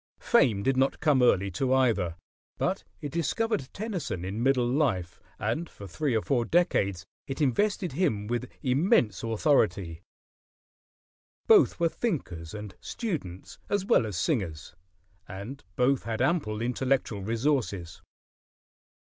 Fame did not come early to either; but it discovered Tennyson in middle life, and for three or four decades it invested him with immense authority. Both were thinkers and students as well as singers, and both had ample intellectual resources.